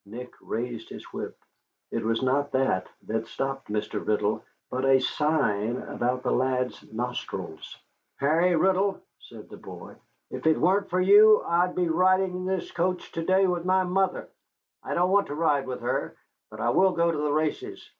Nick raised his whip. It was not that that stopped Mr. Riddle, but a sign about the lad's nostrils. "Harry Riddle," said the boy, "if it weren't for you, I'd be riding in this coach to day with my mother. I don't want to ride with her, but I will go to the races.